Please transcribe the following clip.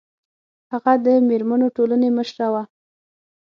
هغه د میرمنو ټولنې مشره وه